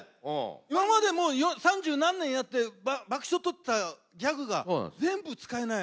今までもう三十何年やって爆笑取ったギャグが、全部使えない。